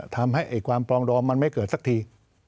ทำให้ความปลองดองมันไม่เกิดสักที